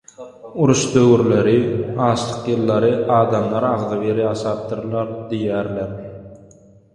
Uruş döwürleri, açlyk ýyllary adamlar agzybir ýaşapdyrlar diýýäler.